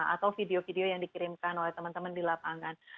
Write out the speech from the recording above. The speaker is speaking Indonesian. atau video video yang dikirimkan oleh teman teman di lapangan